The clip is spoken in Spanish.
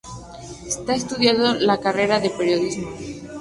Está estudiando la carrera de periodismo.